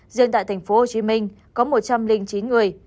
riêng tại tp hcm có một trăm linh chín người